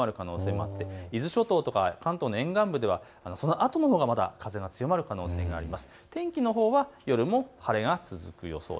さらに強まる可能性があって伊豆諸島とか関東の沿岸部ではそのあとのほうが風が強まる可能性があります。